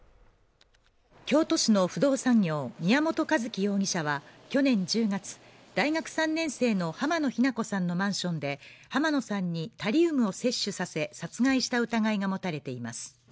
京都市の不動産業宮本一希容疑者は去年１０月、大学３年生の濱野日菜子さんのマンションで、濱野さんにタリウムを摂取させ殺害した疑いが持たれています。